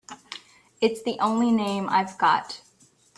It's the only name I've got.